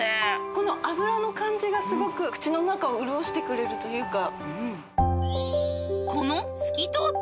この脂の感じがすごく口の中を潤してくれるというか。